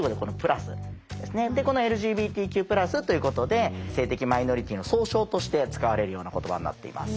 この「ＬＧＢＴＱ＋」ということで性的マイノリティーの総称として使われるような言葉になっています。